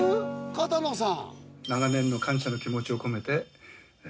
片野さん